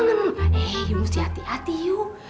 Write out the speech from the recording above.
neng eh musti hati hati yuh